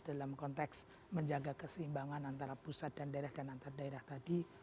dalam konteks menjaga keseimbangan antara pusat dan daerah dan antar daerah tadi